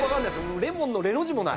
レモンのレの字もない。